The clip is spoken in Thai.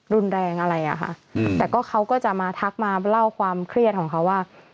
รุนแรงอะไรอะค่ะแต่ก็เขาก็จะมาทักมาเล่าความเครียดของเขาว่า